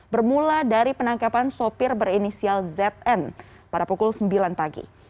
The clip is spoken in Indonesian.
bermula dari penangkapan sopir berinisial zn pada pukul sembilan pagi